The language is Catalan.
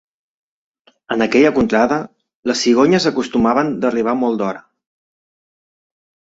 En aquella contrada les cigonyes acostumaven d'arribar molt d'hora.